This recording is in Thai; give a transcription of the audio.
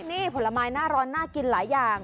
นี่ผลไม้หน้าร้อนน่ากินหลายอย่าง